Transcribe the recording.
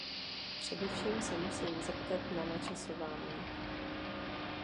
Především se musím zeptat na načasování.